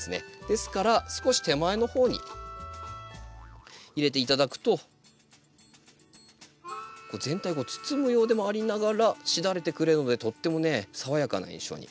ですから少し手前の方に入れて頂くと全体をこう包むようでもありながらしだれてくれるのでとってもね爽やかな印象に。